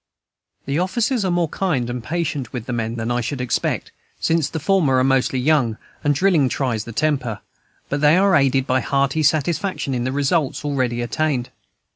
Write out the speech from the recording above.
The officers are more kind and patient with the men than I should expect, since the former are mostly young, and drilling tries the temper; but they are aided by hearty satisfaction in the results already attained.